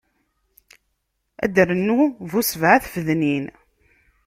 Ur d-rennu bu sebɛa tfednin.